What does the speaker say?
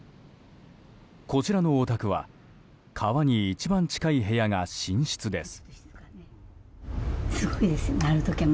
こちらのお宅は川に一番近い部屋が寝室です。